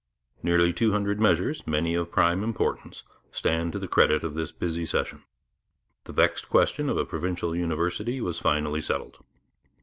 Nearly two hundred measures, many of prime importance, stand to the credit of this busy session. The vexed question of a provincial university was finally settled.